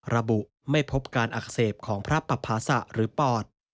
ระบุไม่พบการอักเสบของพระปภาษะหรือปอด